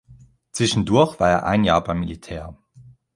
Zwischendurch war er ein Jahr beim Militär.